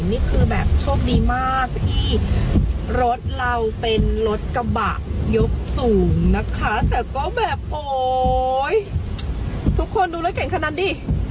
นี่คือแบบโชคดีมากที่รถเราเป็นรถกระบะยกสูงนะคะแต่ก็แบบโอ๊ยทุกคนดูรถเก่งขนาดนั้นดิ